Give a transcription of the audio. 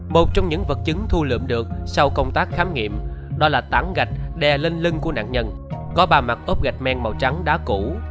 một trong những vật chứng thu lượm được sau công tác khám nghiệm đó là tảng gạch đè lên lưng của nạn nhân có ba mặt ốp gạch men màu trắng đá cũ